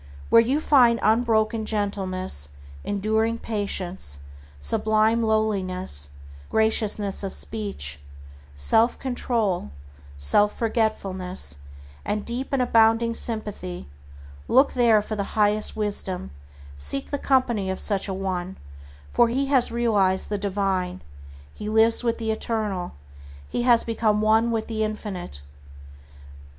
Where you find unbroken gentleness, enduring patience, sublime lowliness, graciousness of speech, self control, self forgetfulness, and deep and abounding sympathy, look there for the highest wisdom, seek the company of such a one, for he has realized the Divine, he lives with the Eternal, he has become one with the Infinite.